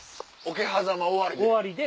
桶狭間終わりで。